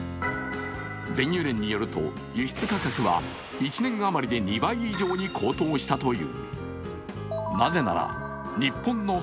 全油連によると輸出価格は１年余りで２倍以上に高騰したという。